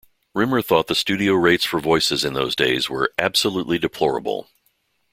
Rimmer thought the studio rates for voices in those days were "absolutely deplorable".